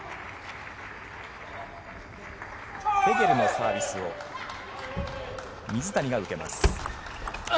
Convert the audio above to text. フェゲルのサービスを水谷が受けます。